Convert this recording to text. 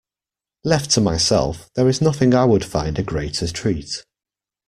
Left to myself, there is nothing I would find a greater treat.